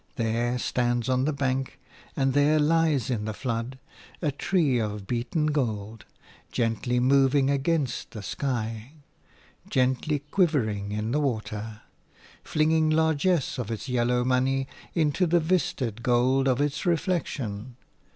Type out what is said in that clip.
There stands on the bank and there lies in the flood a tree of beaten gold, gently moving against the sky, gently quivering in the water, flinging largess of its yellow money into the vistaed gold of its reflection.